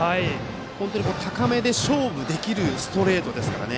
本当に高めで勝負できるストレートですからね。